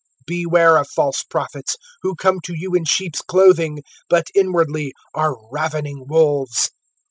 (15)Beware of false prophets, who come to you in sheeps' clothing, but inwardly are ravening wolves.